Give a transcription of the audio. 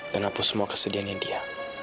dan hapus semua kesedihan yang dia